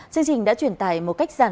chương trình đã truyền tài một cách dành